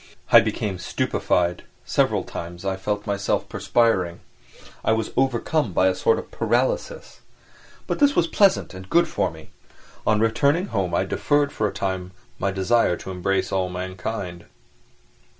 I became stupefied, several times I felt myself perspiring, I was overcome by a sort of paralysis; but this was pleasant and good for me. On returning home I deferred for a time my desire to embrace all mankind.